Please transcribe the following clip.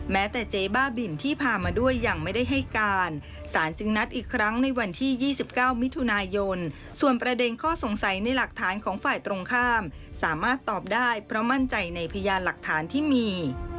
แม้แต่เจ๊บ้าบินที่พามาด้วยยังไม่ได้ให้การสารจึงนัดอีกครั้งในวันที่๒๙มิถุนายนส่วนประเด็นข้อสงสัยในหลักฐานของฝ่ายตรงข้ามสามารถตอบได้เพราะมั่นใจในพยานหลักฐานที่มี